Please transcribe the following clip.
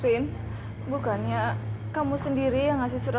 jangan lupa pesenin gue bakso ya